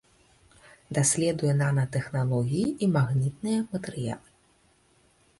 Даследуе нанатэхналогіі і магнітныя матэрыялы.